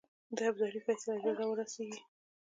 د ابدالي فیصله ژر را ورسېږي.